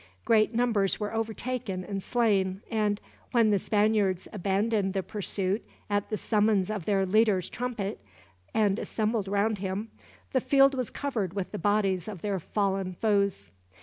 Great numbers were overtaken and slain and, when the Spaniards abandoned the pursuit at the summons of their leader's trumpet, and assembled round him, the field was covered with the bodies of their fallen foes.